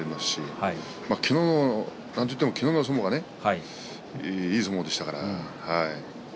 なんといっても昨日の相撲がいい相撲でした。